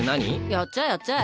やっちゃえやっちゃえ。